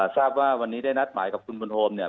ทราบว่าวันนี้ได้นัดหมายกับคุณบุญโฮมเนี่ย